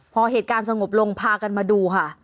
พอเหตุการณ์สงบลงพากันมาดูค่ะ